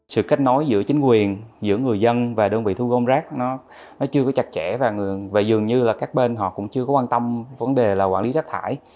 sự kết nối giữa chính quyền giữa người dân và đơn vị thu gom rác nó chưa có chặt chẽ và dường như là các bên họ cũng chưa có quan tâm vấn đề là quản lý rác thải